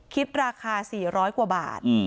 คิดราคา๔๐๐กว่าบาท